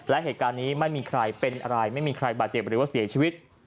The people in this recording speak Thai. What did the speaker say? และเหตุการณ์นี้ไม่มีใครเป็นอะไรไม่มีใครบาดเจ็บหรือว่าเสียชีวิต